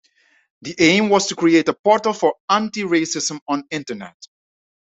The aim was to create a portal for anti-racism on Internet.